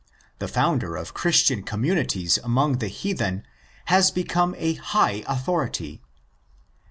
The founder of Christian communities among the heathen has become a high authority.